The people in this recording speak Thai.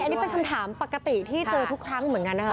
อันนี้เป็นคำถามปกติที่เจอทุกครั้งเหมือนกันนะคะ